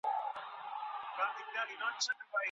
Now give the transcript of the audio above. د ډیپلوماسۍ له لاري د خلګو د ملکیت حقونه نه خوندي کیږي.